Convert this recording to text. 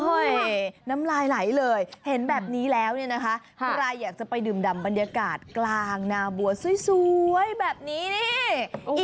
น้ำลายไหลเลยเห็นแบบนี้แล้วเนี่ยนะคะใครอยากจะไปดื่มดำบรรยากาศกลางนาบัวสวยแบบนี้นี่